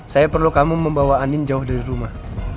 saya perlu kamu membawa anin jauh dari rumah